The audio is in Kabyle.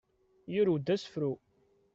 Yurew-d asefru.